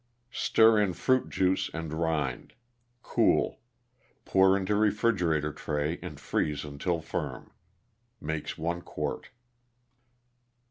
Stir in fruit juice and rind. Cool. Pour into refrigerator tray and freeze until firm. Makes 1 quart.